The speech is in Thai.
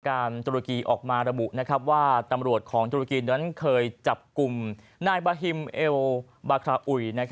ในการตุรกีออกมาระบุว่าตำรวจตุรกินะเคยจับกลุ่มนายบาร์ฮิมเอลบาฮะอุ่ย